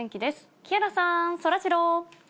木原さん、そらジロー。